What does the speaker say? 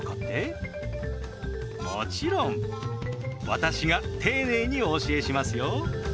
もちろん私が丁寧にお教えしますよ。